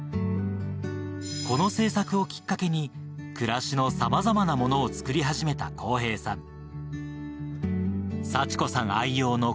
この製作をきっかけに暮らしのさまざまなものを作り始めた康平さん。